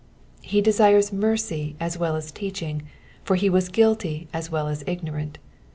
He desires tn^e;^ as well as teaching, for he was guilty as well as ignorant.